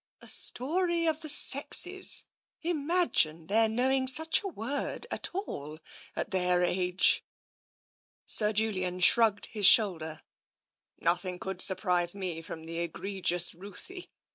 * A Story of the Sexes *— imagine their knowing such a word at all, at their age !" Sir Julian shrugged his shoulder. " Nothing could surprise me, from the egregious Ruthie.